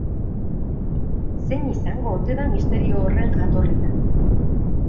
Zein izango ote da misterio horren jatorria?